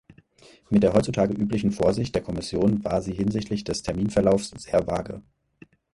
Mit der heutzutage üblichen Vorsicht der Kommission war sie hinsichtlich des Terminverlaufs sehr vage.